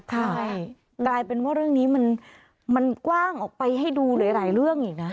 ใช่กลายเป็นว่าเรื่องนี้มันกว้างออกไปให้ดูหลายเรื่องอีกนะ